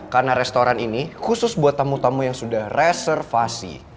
karena restoran ini khusus buat tamu tamu yang sudah reservasi